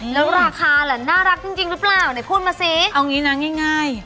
แล้วราคาล่ะน่ารักจริงหรือเปล่าไหนพูดมาสิเอางี้นะง่าย